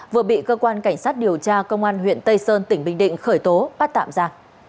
vừa bị cơ quan cảnh sát điều tra công an huyện tây sơn tỉnh bình định khởi tố bắt tạm ra